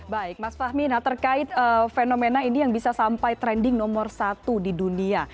baik mas fahmi nah terkait fenomena ini yang bisa sampai trending nomor satu di dunia